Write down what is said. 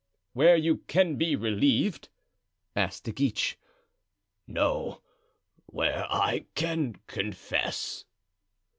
"Where you can be relieved?" asked De Guiche. "No, where I can confess."